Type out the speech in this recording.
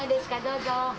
どうぞ。